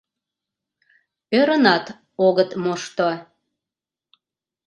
Ӧрынат огыт мошто.